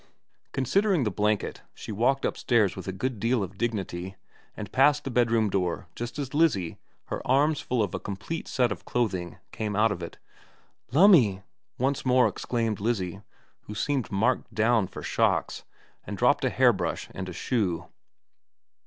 Considering the blanket, she walked upstairs with a good deal of dignity, and passed the bedroom door just as Lizzie, her arms full of a complete set of clothing, came out of it. * Lumme !' once more exclaimed Lizzie, who seemed marked down for shocks ; and dropped a hairbrush and a shoe.